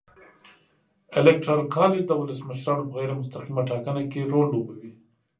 الېکترال کالج د ولسمشرانو په غیر مستقیمه ټاکنه کې رول لوبوي.